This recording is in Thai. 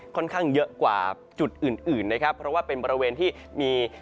ค่อนข้างเยอะกว่าจุดอื่นอื่นนะครับเพราะว่าเป็นบริเวณที่มี